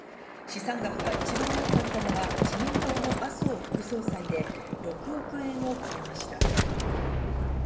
資産額が一番多かったのは自民党の麻生副総裁で６億円を超えました。